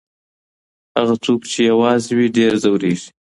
هغه څوک چي يوازې وي ډېر ځوريږي.